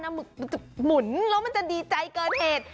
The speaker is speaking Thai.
มันจะหมุนแล้วมันจะดีใจเกินเหตุ